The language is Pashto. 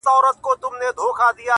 پسله کلونو چي پر ځان بدگمانې کړې ده;